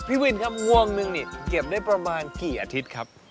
พี่วินครับงวงนึงนี่เก็บได้ประมาณกี่อาทิตย์ครับ